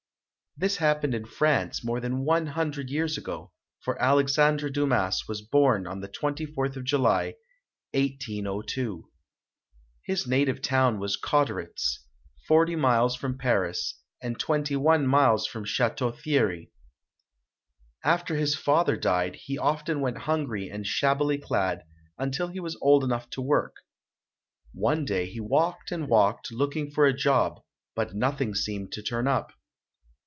This happened in France more than one hun dred years ago, for Alexandre Dumas was born on the 24th of July, 1802. His native town was Cotterets, forty miles from Paris, and twenty one miles from Chateau Thierry. After his father died, he often went hungry and shabbily clad, until he was old enough to work. One day he walked and walked, looking for a job, but nothing seemed to turn up.